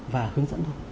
và hướng dẫn thôi